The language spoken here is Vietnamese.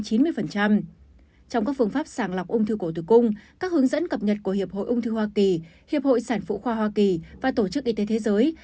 trong các phương pháp sàng lọc ung thư cổ tử cung các hướng dẫn cập nhật của hiệp hội ung thư hoa kỳ hiệp hội sản phụ khoa hoa kỳ và tổ chức y tế thế giới